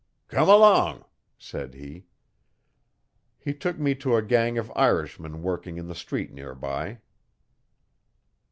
'Come along,' said he. He took me to a gang of Irishmen working in the street near by.